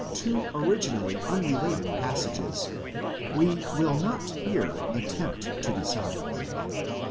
two originally unrelated passages, we will not here attempt to decide.